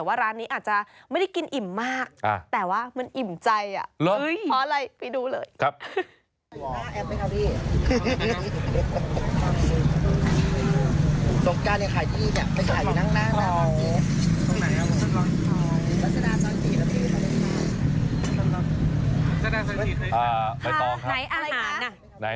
ไหนอาหารเขาขายอะไรเนี่ย